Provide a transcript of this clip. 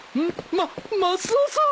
ママスオさん。